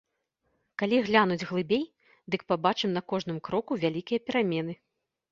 Калі глянуць глыбей, дык пабачым на кожным кроку вялікія перамены.